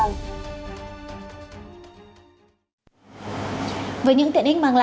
góp phần thúc đẩy triển tuyển số quốc gia